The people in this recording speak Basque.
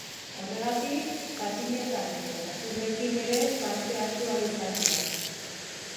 Horregatik, patinetan edo txakurrekin ere parte hartu ahal izango da.